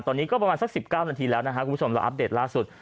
ตอนนี้ก็ประมาณสัก๑๙นาทีแล้วนะครับคุณผู้ชมเราอัปเดตล่าสุด